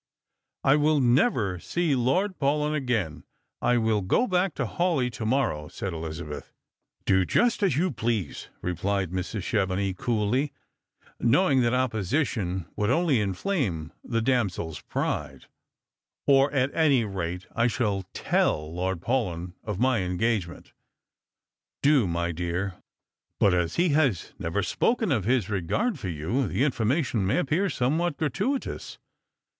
" I will never see Lord Paulyn again. I will go back to Haw leigh to morrow," said Elizabeth. " Do just as y^ou please," rephed Mrs. Chevenix coolly, know ing that opposition would only inflame the damsel's pride. *' Or, at any rate, I shall tell Lord Paulyn of my engagement." " Do, my dear. But as he has never spoken of his regard for you, the information may appear somewhat gratuitous."